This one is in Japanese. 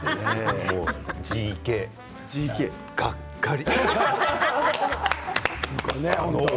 ＧＫ、がっかり。